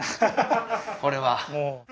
これは。